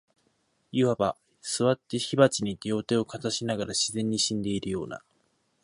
謂わば、坐って火鉢に両手をかざしながら、自然に死んでいるような、